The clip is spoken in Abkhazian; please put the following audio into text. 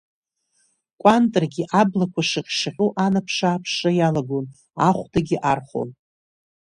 Кәантрагьы аблақәа шаҟь-шаҟьо анаԥшы-ааԥшра иалагон, ахәдагь архәон.